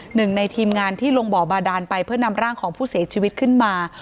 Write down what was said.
หนึ่งในทีมงานที่ลงบ่อบาดานไปเพื่อนำร่างของผู้เสียชีวิตขึ้นมา